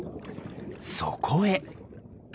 そこへ。